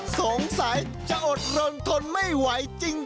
สงสัยจะอดรนทนไม่ไหวจริง